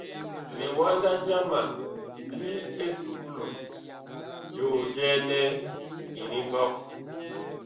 Liwanda jama li esuklu, joo jɛɛ nɛ Inimɓɔg.